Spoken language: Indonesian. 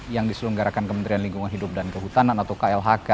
yang diselenggarakan kementerian lingkungan hidup dan kehutanan atau klhk